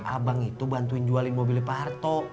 abang itu bantuin jualin mobil pak harto